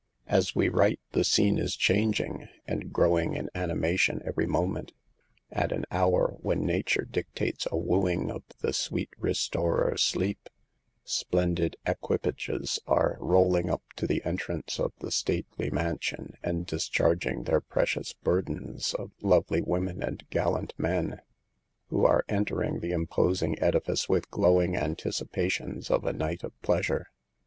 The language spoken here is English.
As we write the scene is changing, and growing in animation every moment. At an hour when nature dictates a wooing of the " sweet restorer, sleep," splendid equipages are rolling up to the entrance of the stately man sion and discharging their precious burdens of lovely women and gallant men, who are enter ing the imposing edifice with glowing anticipa tions of a night of pleasure.